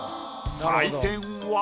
採点は。